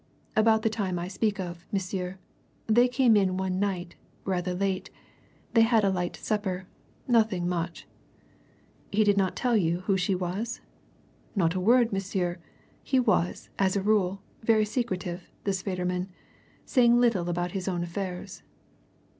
"About the time I speak of, monsieur. They came in one night rather late. They had a light supper nothing much." "He did not tell you who she was?" "Not a word, monsieur! He was, as a rule, very secretive, this Federman, saying little about his own affairs."